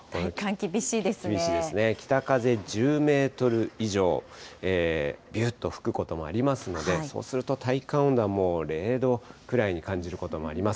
厳しいですね、北風１０メートル以上、びゅーっと吹くこともありますので、そうすると体感温度はもう０度くらいに感じることもあります。